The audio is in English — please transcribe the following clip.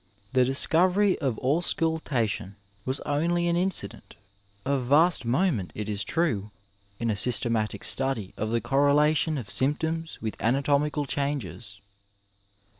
The discovery of aoscnltation was only an incident, of vast moment it is true, in a systematic study of the correlation of symptoms with anatomical changes.